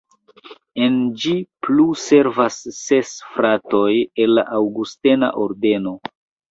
En ĝi plu servas ses fratoj el la aŭgustena ordeno.